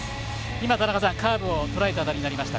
今、田中さん、カーブをとらえた当たりでした。